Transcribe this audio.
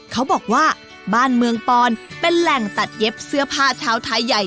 เขาบอกว่าบ้านเมืองปอนเป็นแหล่งตัดเย็บเสื้อผ้าเท้าไทยใหญ่